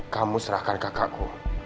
kamu serahkan kakakku